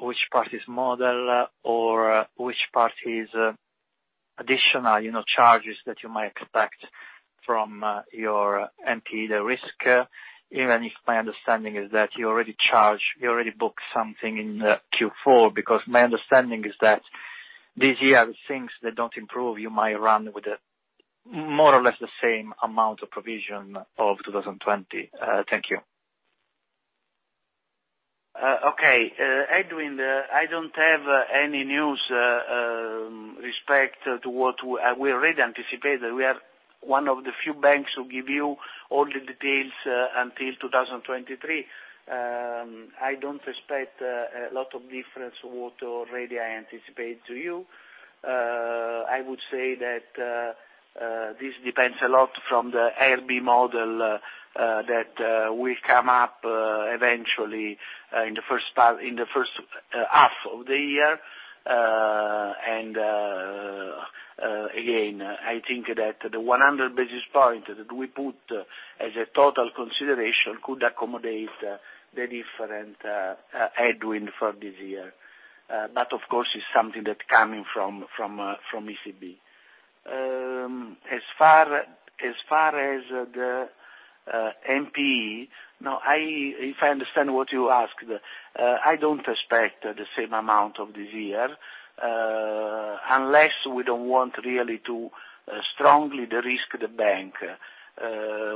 which part is model or which part is additional charges that you might expect from your NPE, the risk, even if my understanding is that you already charged, you already booked something in Q4. My understanding is that this year, things that don't improve, you might run with more or less the same amount of provision of 2020. Thank you. Okay., I don't have any news respect to what we already anticipated. We are one of the few banks who give you all the details until 2023. I don't expect a lot of difference what already I anticipate to you. I would say that this depends a lot from the IRB model that will come up eventually in the first half of the year. Again, I think that the 100 basis point that we put as a total consideration could accommodate the different headwind for this year. Of course, it's something that coming from ECB. As far as the NPE, if I understand what you asked, I don't expect the same amount of this year, unless we don't want really to strongly de-risk the bank.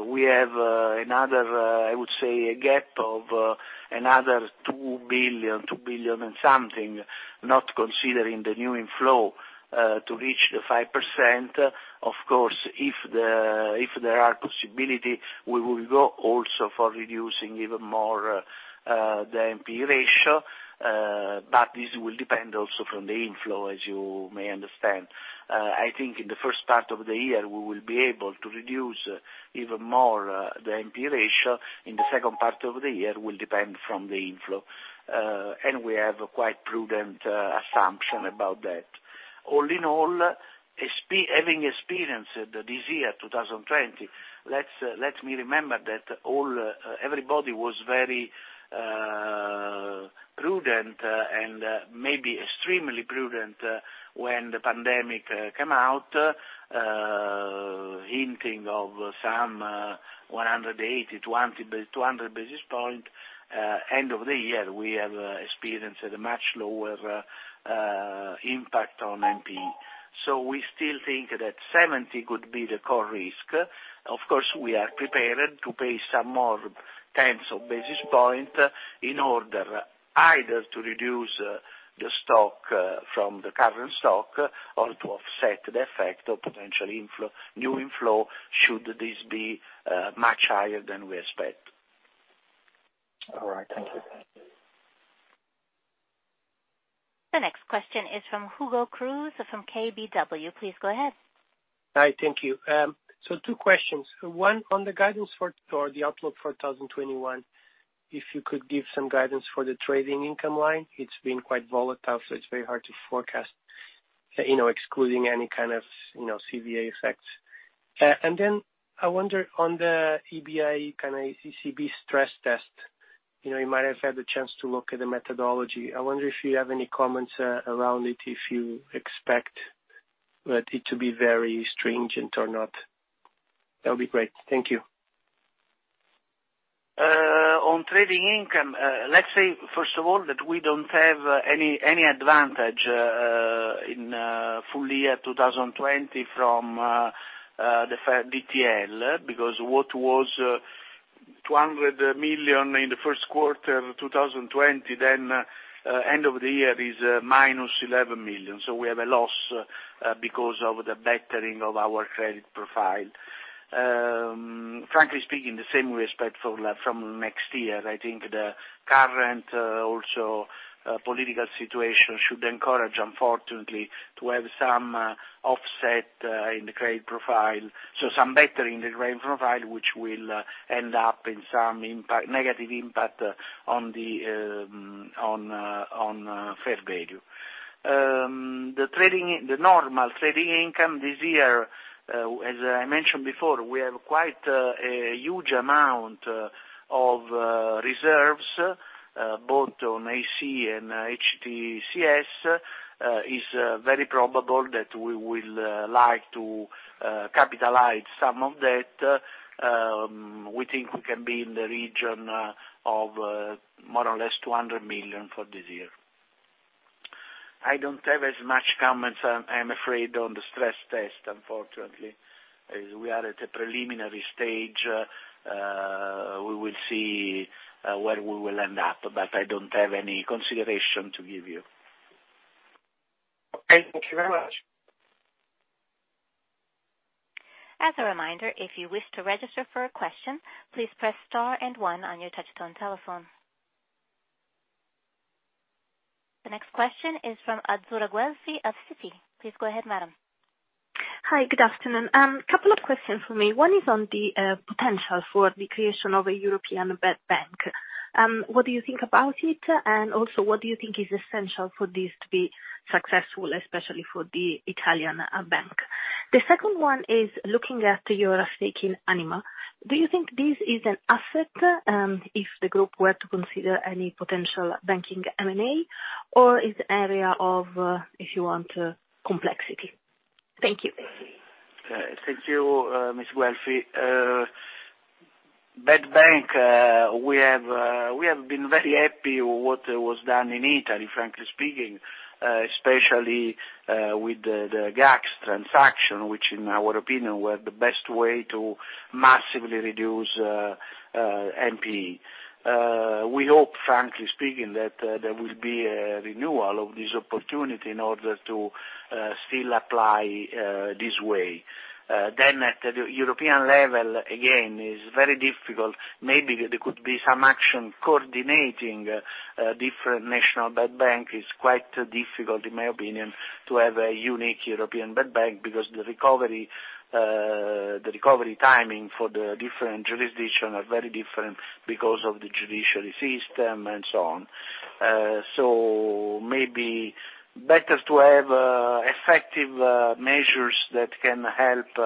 We have another, I would say, a gap of another 2 billion, 2 billion and something, not considering the new inflow, to reach the 5%. Of course, if there are possibility, we will go also for reducing even more the NPE ratio. This will depend also from the inflow, as you may understand. I think in the first part of the year, we will be able to reduce even more the NPE ratio. In the second part of the year, will depend from the inflow. We have a quite prudent assumption about that. All in all, having experienced this year, 2020, let me remember that everybody was very prudent, and maybe extremely prudent when the pandemic came out, hinting of some 180, 200 basis point. End of the year, we have experienced a much lower impact on NPE. We still think that 70 could be the core risk. Of course, we are prepared to pay some more tens of basis point in order either to reduce the stock from the current stock or to offset the effect of potential new inflow, should this be much higher than we expect. All right. Thank you. The next question is from Hugo Cruz from KBW. Please go ahead. Hi. Thank you. Two questions. One on the guidance for the outlook for 2021. If you could give some guidance for the trading income line. It's been quite volatile, so it's very hard to forecast, excluding any kind of CVA effects. I wonder on the EBA kind of ECB stress test. You might have had the chance to look at the methodology. I wonder if you have any comments around it, if you expect it to be very stringent or not. That would be great. Thank you. On trading income, let's say, first of all, that we don't have any advantage in full year 2020 from the DTL, because what was 200 million in the first quarter 2020, end of the year is -11 million. We have a loss because of the bettering of our credit profile. Frankly speaking, the same respect from next year. I think the current political situation should encourage, unfortunately, to have some offset in the credit profile, so some better in the credit profile, which will end up in some negative impact on fair value. The normal trading income this year, as I mentioned before, we have quite a huge amount of reserves both on AC and HTC&S. It is very probable that we will like to capitalize some of that. We think we can be in the region of more or less 200 million for this year. I don't have as much comments, I'm afraid, on the stress test, unfortunately, as we are at a preliminary stage. We will see where we will end up, but I don't have any consideration to give you. Okay. Thank you very much. As a reminder, if you wish to register for a question, please press star and one on your touchtone telephone. The next question is from Azzurra Guelfi of Citi. Please go ahead, madam. Hi. Good afternoon. Couple of questions from me. One is on the potential for the creation of a European bad bank. What do you think about it? Also, what do you think is essential for this to be successful, especially for the Italian bank? The second one is looking at your stake in Anima. Do you think this is an asset, if the group were to consider any potential banking M&A, or is area of, if you want, complexity? Thank you. Thank you, Ms. Guelfi. Bad bank, we have been very happy with what was done in Italy, frankly speaking, especially with the GACS transaction, which in our opinion, were the best way to massively reduce NPE. We hope, frankly speaking, that there will be a renewal of this opportunity in order to still apply this way. At the European level, again, is very difficult. Maybe there could be some action coordinating different national bad bank. Is quite difficult, in my opinion, to have a unique European bad bank because the recovery timing for the different jurisdiction are very different because of the judiciary system and so on. Maybe better to have effective measures that can help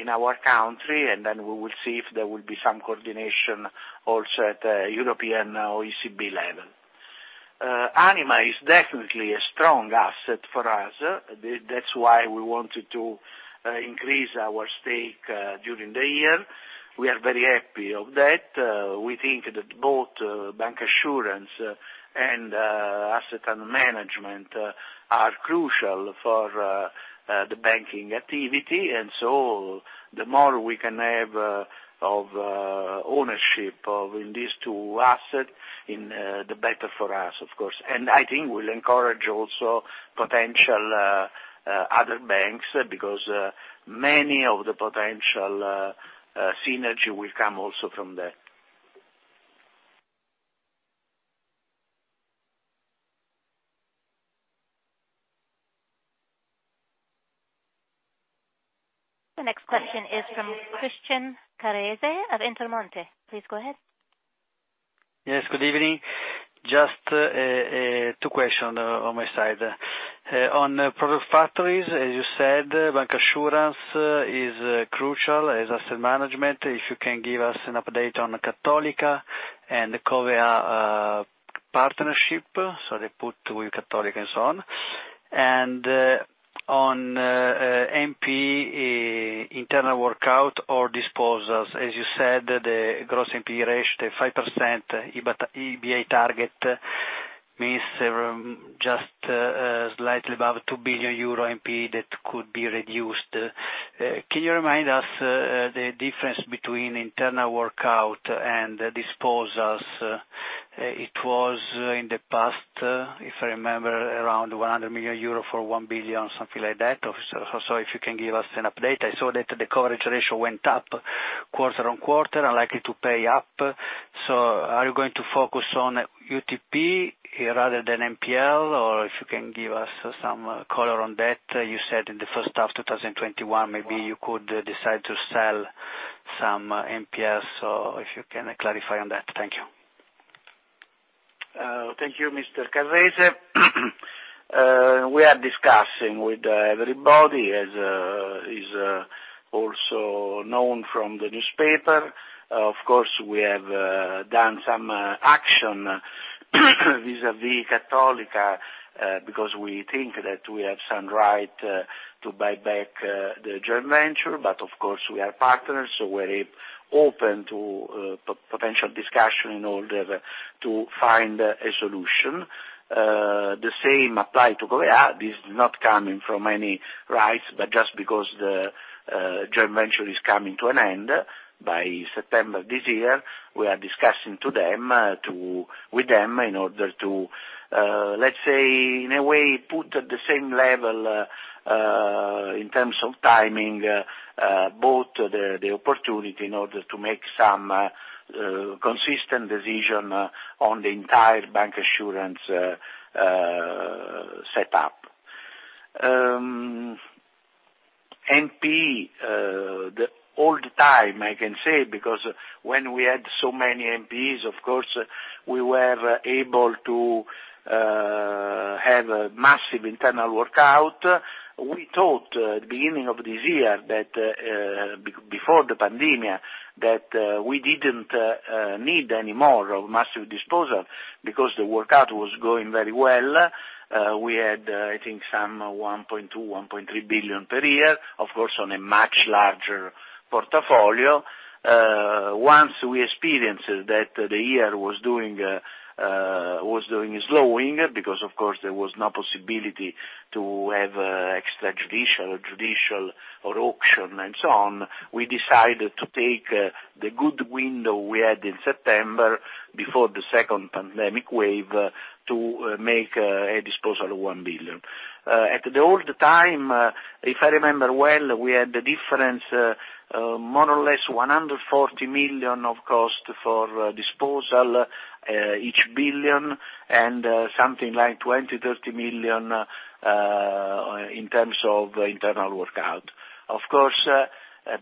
in our country, and then we will see if there will be some coordination also at European ECB level. Anima is definitely a strong asset for us. That's why we wanted to increase our stake during the year. We are very happy of that. We think that both bancassurance and asset management are crucial for the banking activity, and so the more we can have of ownership of in these two assets, the better for us, of course. I think will encourage also potential other banks, because many of the potential synergies will come also from that. The next question is from Christian Carrese of Intermonte. Please go ahead. Yes. Good evening. Just two questions on my side. On product factories, as you said, bancassurance is crucial as asset management. If you can give us an update on Cattolica and Covéa partnership, so they put with Cattolica and so on. On NPE internal workout or disposals. As you said, the gross NPE ratio, the 5% EBA target means just slightly above 2 billion euro NPE that could be reduced. Can you remind us the difference between internal workout and disposals? It was in the past, if I remember, around 100 million euro for 1 billion, something like that. If you can give us an update. I saw that the coverage ratio went up quarter-on-quarter and likely to pay up. Are you going to focus on UTP rather than NPL, or if you can give us some color on that? You said in the first half 2021, maybe you could decide to sell some NPLs. If you can clarify on that. Thank you. Thank you, Mr. Carrese. We are discussing with everybody, as is also known from the newspaper. We have done some action vis-a-vis Cattolica, because we think that we have some right to buy back the joint venture. We are partners, so we're open to potential discussion in order to find a solution. The same apply to Covéa. This is not coming from any rights, just because the joint venture is coming to an end by September this year. We are discussing with them in order to, let's say, in a way, put at the same level, in terms of timing, both the opportunity in order to make some consistent decision on the entire bank insurance set up. NP, all the time, I can say, because when we had so many NPEs, of course, we were able to have a massive internal workout. We thought at the beginning of this year, before the pandemia, that we didn't need any more massive disposal because the workout was going very well. We had, I think, some 1.2 billion, 1.3 billion per year, of course, on a much larger portfolio. Once we experienced that the year was doing a slowing, because of course, there was no possibility to have extrajudicial or judicial or auction and so on, we decided to take the good window we had in September before the second pandemic wave to make a disposal of 1 billion. At the old time, if I remember well, we had the difference, more or less 140 million of cost for disposal each billion and something like 20 million, 30 million in terms of internal workout. Of course,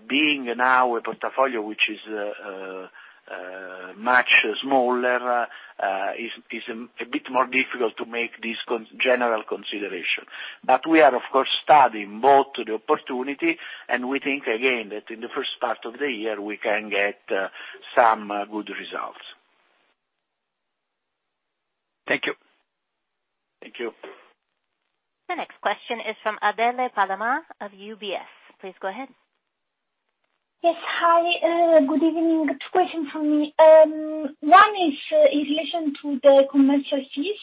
being now a portfolio which is much smaller, it is a bit more difficult to make this general consideration. We are, of course, studying both the opportunity, and we think, again, that in the first part of the year, we can get some good results. Thank you. Thank you. The next question is from Adele Palamà of UBS. Please go ahead. Yes. Hi, good evening. Two questions from me. One is in relation to the commercial fees.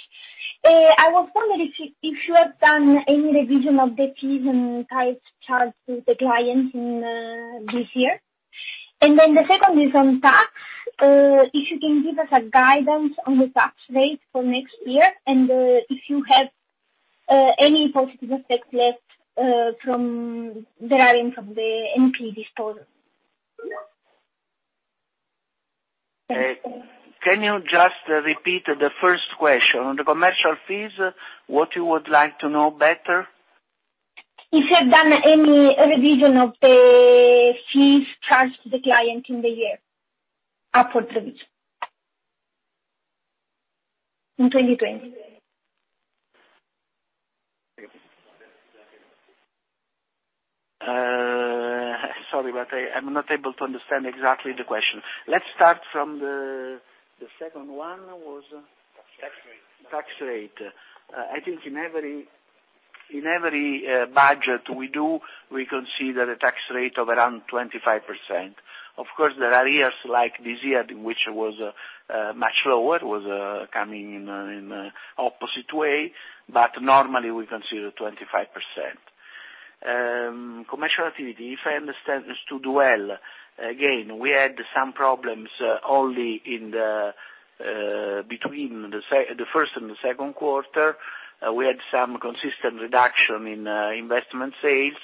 I was wondering if you have done any revision of the fees and types charged to the client in this year. The second is on tax. If you can give us a guidance on the tax rate for next year and if you have any positive effects left deriving from the NPL disposal. Can you just repeat the first question? On the commercial fees, what you would like to know better? If you have done any revision of the fees charged to the client in the year, up for revision in 2020. Sorry, I'm not able to understand exactly the question. Let's start from the second one. Tax rate. Tax rate. I think in every budget we do, we consider a tax rate of around 25%. Of course, there are years like this year, which was much lower, was coming in opposite way, but normally we consider 25%. Commercial activity, if I understood well, again, we had some problems only between the first and the second quarter. We had some consistent reduction in investment sales,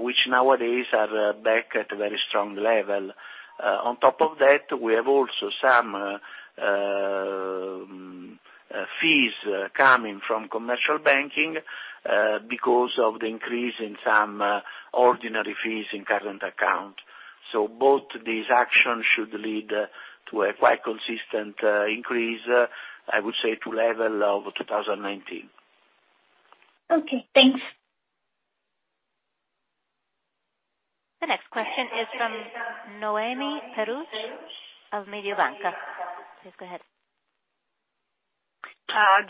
which nowadays are back at a very strong level. On top of that, we have also some fees coming from commercial banking because of the increase in some ordinary fees in current account. Both these actions should lead to a quite consistent increase, I would say, to level of 2019. Okay, thanks. The next question is from Noemi Peruch of Mediobanca. Please go ahead.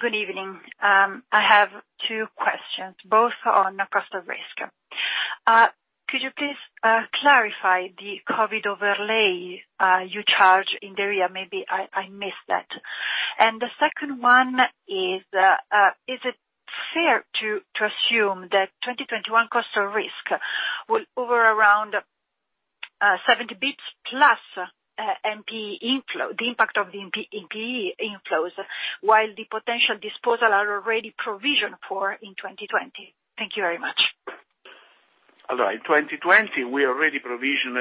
Good evening. I have two questions, both on cost of risk. Could you please clarify the COVID overlay you charge in the area? Maybe I missed that. The second one is: Is it fair to assume that 2021 cost of risk will hover around 70 basis points plus the impact of the NPE inflows, while the potential disposal are already provisioned for in 2020. Thank you very much. All right. 2020, we already provisioned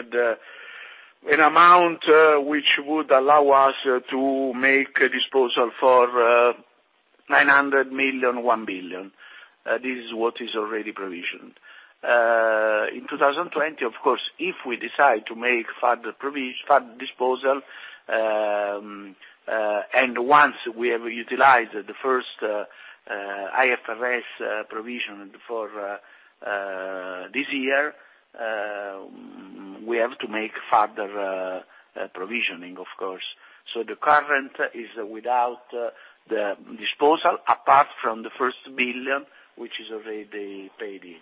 an amount which would allow us to make a disposal for 900 million, 1 billion. This is what is already provisioned. In 2020, of course, if we decide to make further disposal, and once we have utilized the first IFRS provision for this year, we have to make further provisioning, of course. The current is without the disposal, apart from the first 1 billion, which is already paid in.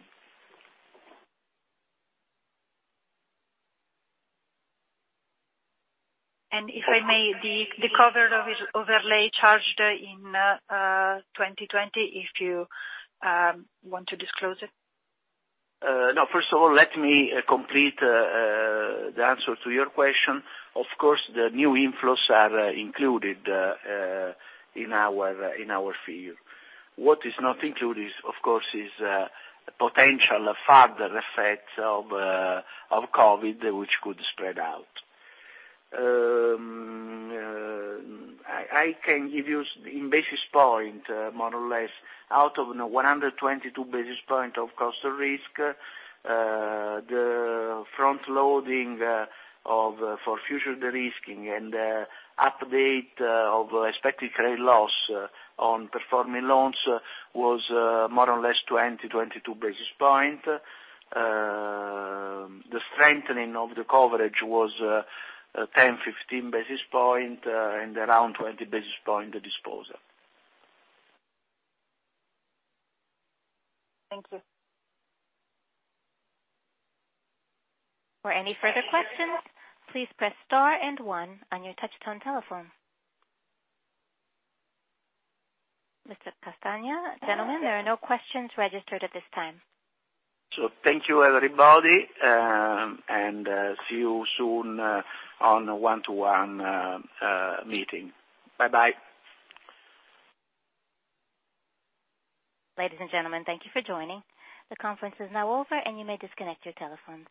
If I may, the COVID overlay charged in 2020, if you want to disclose it. No. First of all, let me complete the answer to your question. Of course, the new inflows are included in our field. What is not included, of course, is potential further effects of COVID, which could spread out. I can give you in basis points, more or less, out of 122 basis points of cost of risk, the front loading for future de-risking and update of expected credit loss on performing loans was more or less 20, 22 basis points. The strengthening of the coverage was 10, 15 basis points and around 20 basis points, the disposal. Thank you. Mr. Castagna, gentlemen, there are no questions registered at this time. Thank you, everybody, and see you soon on one-to-one meeting. Bye-bye. Ladies and gentlemen, thank you for joining. The conference is now over, and you may disconnect your telephones.